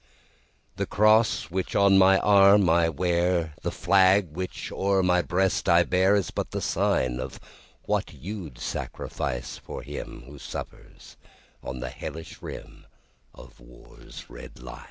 The cross which on my arm I wear, The flag which o'er my breast I bear, Is but the signOf what you'd sacrifice for himWho suffers on the hellish rimOf war's red line.